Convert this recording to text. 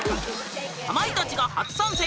かまいたちが初参戦！